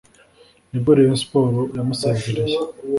nibwo rayon sports yamusezereye